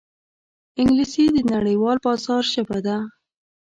انګلیسي د نړیوال بازار ژبه ده